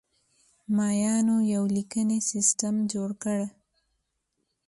مایانو یو لیکنی سیستم جوړ کړ